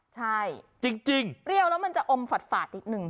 ใช่จริงเปรี้ยวแล้วมันจะอมฝาดนิดนึง